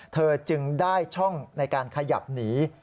เธอจึงได้ช่องในการขยับหนี